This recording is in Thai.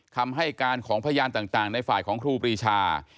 คำให้การของพยานต่างในฝ่ายของครูปรีชา